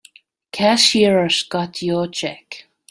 Cashier's got your check.